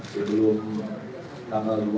sebelum tanggal dua